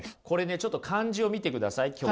これねちょっと漢字を見てください。